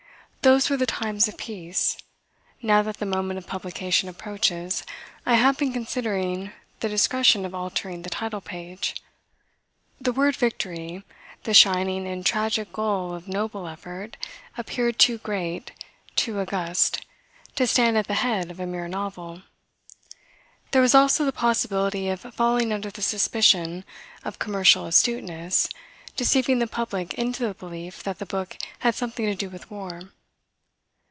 Those were the times of peace. Now that the moment of publication approaches I have been considering the discretion of altering the title page. The word "Victory" the shining and tragic goal of noble effort, appeared too great, too august, to stand at the head of a mere novel. There was also the possibility of falling under the suspicion of commercial astuteness deceiving the public into the belief that the book had something to do with war.